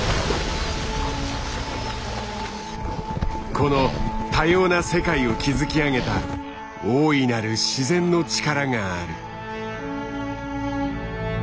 この多様な世界を築き上げた大いなる自然の力がある。